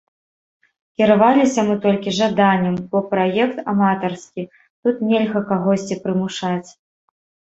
Кіраваліся мы толькі жаданнем, бо праект аматарскі, тут нельга кагосьці прымушаць.